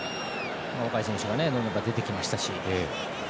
若い選手がどんどん出てきましたし。